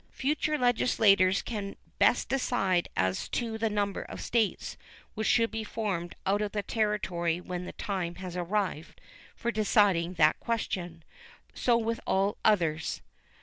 Future Legislatures can best decide as to the number of States which should be formed out of the territory when the time has arrived for deciding that question. So with all others.